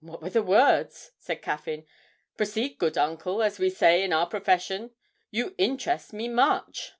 'What were the words?' said Caffyn. 'Proceed, good uncle, as we say in our profession; you interest me much!'